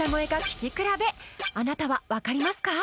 聴き比べあなたは分かりますか？